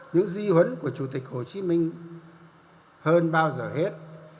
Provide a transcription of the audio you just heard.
những di huấn của chủ tịch hồ chí minh hơn bao giờ hết